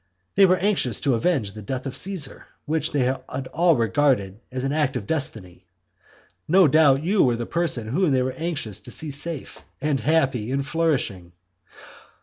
They were anxious to avenge the death of Caesar, which they all regarded as an act of destiny! No doubt you were the person whom they were anxious to see safe, and happy, and flourishing!